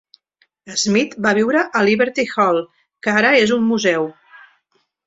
Smith va viure a Liberty Hall, que ara és un museu.